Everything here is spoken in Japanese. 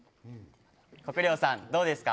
國領さんどうですか？